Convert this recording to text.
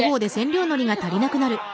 あ！